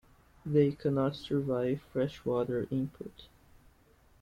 They cannot survive freshwater input.